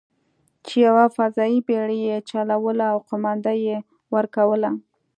چې یوه فضايي بېړۍ یې چلوله او قومانده یې ورکوله.